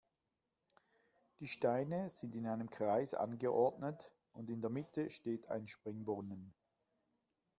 Die Steine sind in einem Kreis angeordnet und in der Mitte steht ein Springbrunnen.